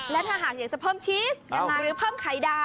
และถ้าหากอยากจะเพิ่มชีสหรือเพิ่มไข่ดา